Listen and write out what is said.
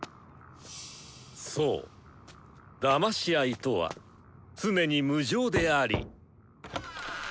そうだまし合いとは常に無情であり。